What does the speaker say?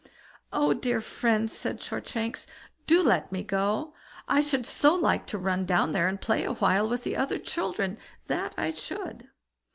"Oh, dear friend", said Shortshanks, "do let me go? I should so like to run down there and play a while with the other children; that I should."